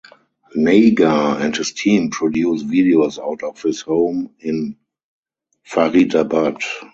Nagar and his team produce videos out of his home in Faridabad.